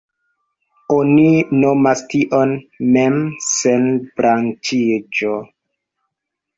Oni nomas tion „mem-senbranĉiĝo“.